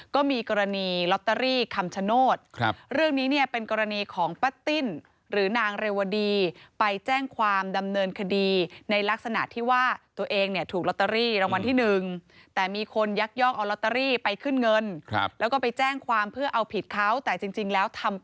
คุณถูกคุณถูกฟ้องใช่ไหม